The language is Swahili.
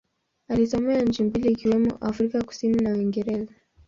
Alisomea nchi mbili ikiwemo Afrika Kusini na Uingereza.